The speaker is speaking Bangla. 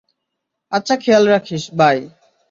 আচ্ছা, খেয়াল রাখিস, বাই।